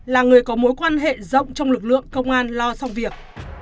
là người có mối quan hệ rộng trong lực lượng công an lo xong việc